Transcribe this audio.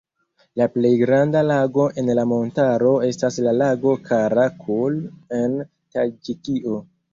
La plej granda lago en la montaro estas la lago Kara-Kul en Taĝikio.